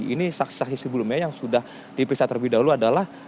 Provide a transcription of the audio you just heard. ini saksi saksi sebelumnya yang sudah diperiksa terlebih dahulu adalah